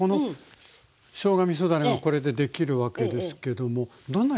しょうがみそだれがこれでできるわけですけどもどんな料理に？